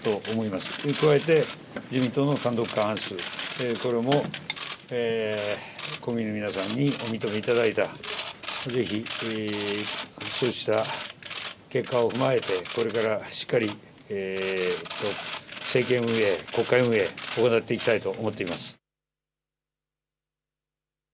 それに加えて、自民党の単独過半数、これも国民の皆さんにお認めいただいた、ぜひそうした結果を踏まえて、これからしっかりと、政権運営、国会運営、行っていきたいと思っています。